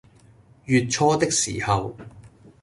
月初的時候